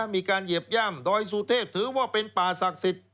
เหยียบย่ำดอยสุเทพถือว่าเป็นป่าศักดิ์สิทธิ์